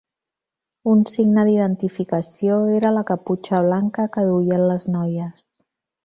Un signe d'identificació era la caputxa blanca que duien les noies.